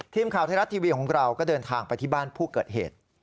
ทีมข่าวไทยรัฐทีวีของเราก็เดินทางไปที่บ้านผู้เกิดเหตุ